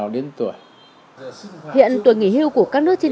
đủ một mươi năm tuổi về canon